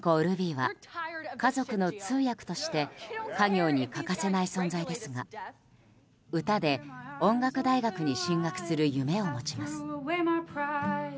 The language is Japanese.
ルビーは家族の通訳として家業に欠かせない存在ですが歌で音楽大学に進学する夢を持ちます。